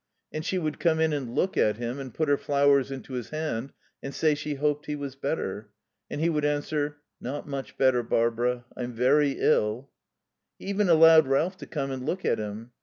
And she would come in and look at him and put her flowers into his hand and say she hoped he was better. And he would answer: "Not much better, Barbara. I'm very ill." He even allowed Ralph to come and look at him.